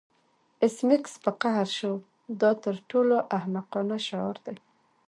ایس میکس په قهر شو دا تر ټولو احمقانه شعار دی